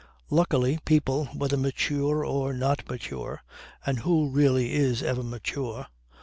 Luckily, people, whether mature or not mature (and who really is ever mature?)